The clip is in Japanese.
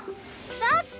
だって。